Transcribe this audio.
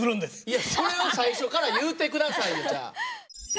いやそれを最初から言うて下さいよじゃあ。